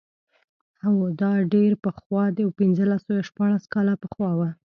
هو دا ډېر پخوا و پنځلس یا شپاړس کاله پخوا و.